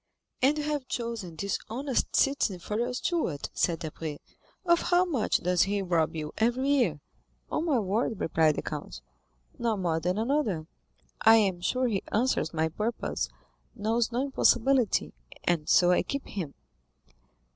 "And you have chosen this honest citizen for your steward," said Debray. "Of how much does he rob you every year?" "On my word," replied the count, "not more than another. I am sure he answers my purpose, knows no impossibility, and so I keep him."